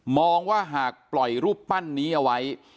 มองว่าหากปล่อยรูปปั้นนี้เอาไว้